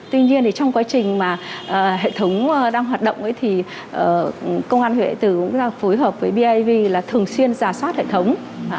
tuy nhiên trong quá trình mà hệ thống đang hoạt động thì công an huyện đại từ cũng phối hợp với biav là thường xuyên giả soát hệ thống